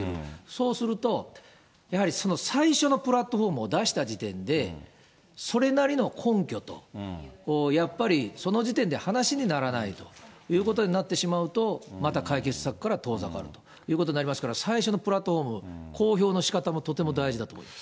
そうすると、やはりその最初のプラットホームを出した時点で、それなりの根拠と、やっぱりその時点で話にならないということになってしまうと、また解決策から遠ざかるということになりますから、最初のプラットホーム、公表のしかたもとても大事だと思います。